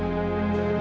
minah minah minah